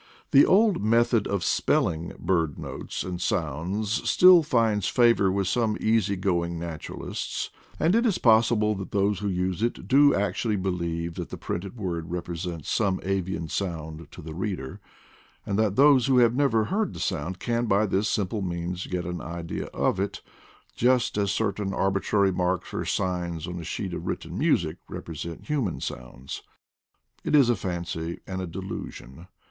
The old method of spelling bird notes and sounds still finds favor with some easy going naturalists, and it is possible that those who use it do actually believe that the printed word repre sents some avian sound to the reader, and that those who have never heard the sound can by this simple means get an idea of it; just as certain arbitrary marks or signs on a sheet of written music represent human sounds. It is fancy and a delusion.